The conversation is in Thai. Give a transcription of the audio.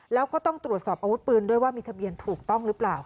แล้วก็ต้องตรวจสอบอาวุธปืนด้วยว่ามีทะเบียนถูกต้องหรือเปล่า